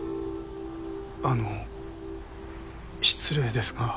あの失礼ですが。